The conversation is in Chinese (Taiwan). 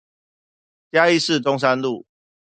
嘉義市中山路